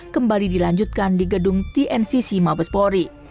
kembali dilanjutkan di gedung tncc mabespori